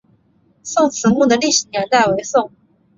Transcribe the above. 宋慈墓的历史年代为宋。